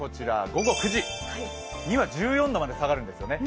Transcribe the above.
午後９時には１４度まで下がるんですよね。